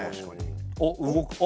おっ動く。